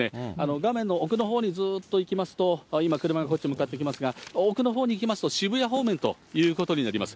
画面の奥のほうにずっと行きますと、今、車がこっちに向かってきますが、奥のほうにいきますと、渋谷方面ということになります。